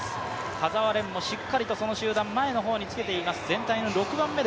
田澤廉もしっかりとその集団、前につけています。